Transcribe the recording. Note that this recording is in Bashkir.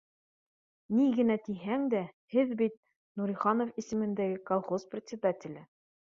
—Ни генә тиһәң дә, һеҙ бит Нуриханов исемендәге колхоз председателе